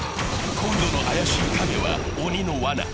今度の怪しい影は鬼のわな。